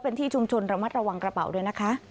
เป็นที่ชุมชนระมัดระวังกระเป๋าด้วยนะคะ